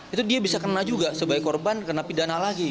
itu dia bisa kena juga sebagai korban kena pidana lagi